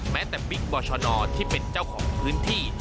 แม้แต่บิ๊กบอชนที่เป็นเจ้าของพื้นที่